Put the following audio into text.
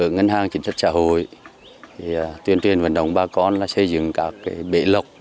ngân hàng chính sách xã hội tuyên truyền vận động bà con xây dựng các bể lọc